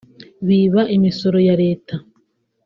biba imisoro ya Leta